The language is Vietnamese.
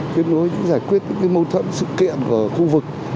kết nối giải quyết những mâu thuẫn sự kiện của khu vực